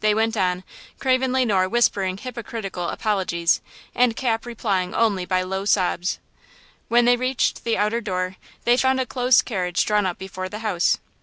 They went on, Craven Le Noir whispering hypocritical apologies and Cap replying only by low sobs. When they reached the outer door they found a close carriage drawn up before the house.